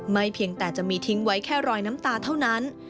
เพียงแต่จะมีทิ้งไว้แค่รอยน้ำตาเท่านั้น